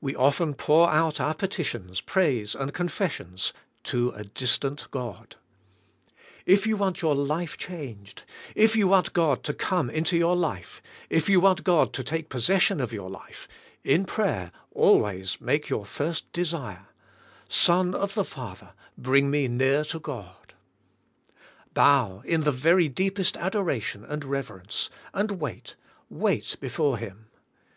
We often pour out our petitions, praise and confessions to a distant God. If you want your life changed, if you want God to come into your life, if you want God to take possession of your life, in prayer always make your first desire: "Son of the Father, bring me near to GodJ^'* Bow in the very deepest adoration and reverence, and wait, wait before Him.